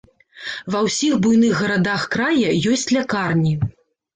Ва ўсіх буйных гарадах края ёсць лякарні.